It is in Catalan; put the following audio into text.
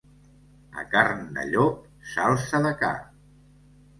A carn de llop, salsa de ca.